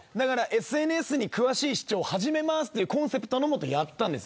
ＳＮＳに詳しい市長が始めますというコンセプトでやったんです。